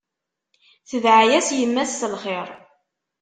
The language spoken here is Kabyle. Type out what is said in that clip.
Tedɛa-yas yemma-s s lxir.